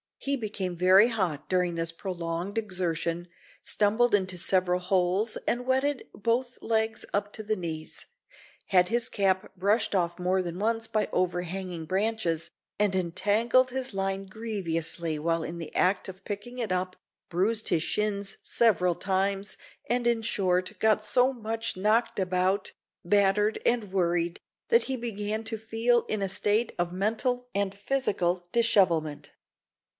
He became very hot during this prolonged exertion, stumbled into several holes, and wetted both legs up to the knees, had his cap brushed off more than once by overhanging branches, and entangled his line grievously while in the act of picking it up, bruised his shins several times, and in short got so much knocked about, battered, and worried, that he began to feel in a state of mental and physical dishevelment.